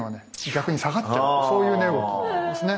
逆に下がっちゃうってそういう値動きなんですね。